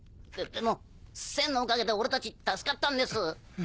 ででも千のおかげでオレたち助かったんです。